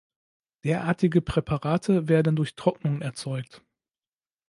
Derartige Präparate werden durch Trocknung erzeugt.